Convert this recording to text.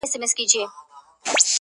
يو څو زلميو ورته هېښ کتله،